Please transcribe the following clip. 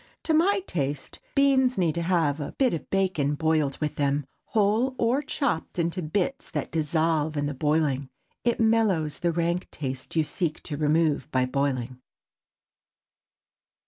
To my taste, beans need to have a bit of bacon boiled with them—whole, or chopped into bits that dissolve in the boiling. It mellows the rank taste you seek to remove by boiling.